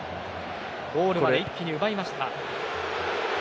ゴールを一気に奪いました。